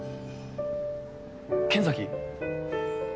剣崎？